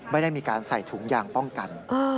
ไม่ได้มีการใส่ถุงยางป้องกัน